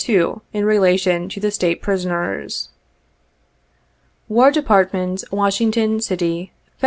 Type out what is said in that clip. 2, in Relation to the State Prisoners. "■ War Department, Washington City, Feb.